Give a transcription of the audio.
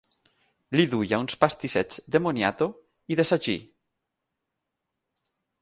Li duia uns pastissets de moniato i de sagí.